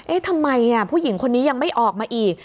ทำไมผู้หญิงคนนี้ยังไม่ออกมาอีก